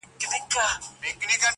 ما خپل گڼي اوس يې لا خـپـل نه يـمه